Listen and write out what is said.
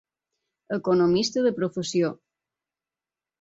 Economista de professió.